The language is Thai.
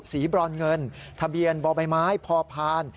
สีบรรเงินทะเบียนบไมพพ